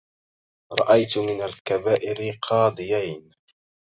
رأيت من الكبائر قاضيين